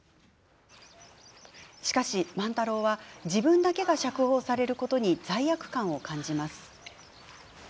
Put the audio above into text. しかし、万太郎は自分だけが釈放されることに罪悪感を感じます。